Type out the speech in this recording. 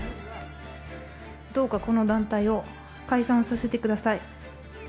どうかこの団体を解散させてください。